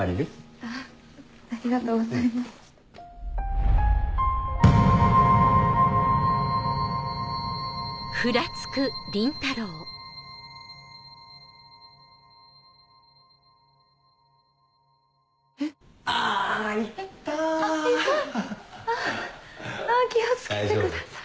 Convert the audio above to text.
あぁ気を付けてください。